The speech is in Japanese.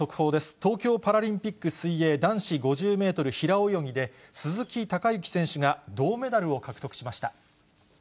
東京パラリンピック水泳男子５０メートル平泳ぎで、鈴木孝幸選手が銅メダルを獲得しました。